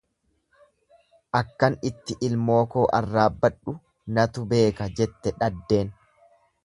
Akkan itti ilmoo koo arraabbadhu natu beeka jette dhaddeen.